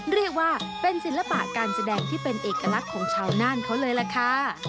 เรียกว่าเป็นศิลปะการแสดงที่เป็นเอกลักษณ์ของชาวน่านเขาเลยล่ะค่ะ